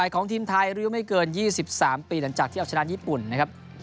ของทีมไทยริ้วไม่เกิน๒๓ปีหลังจากที่เอาชนะญี่ปุ่นนะครับ